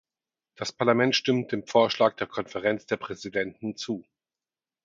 Das Parlament stimmt dem Vorschlag der Konferenz der Präsidenten zu.